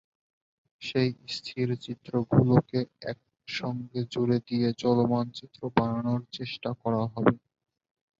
সেই স্থিরচিত্রগুলোকে একসঙ্গে জুড়ে দিয়ে চলমান ছবি বানানোর চেষ্টা করা হবে।